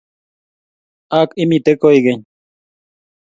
Ak imite koigeny.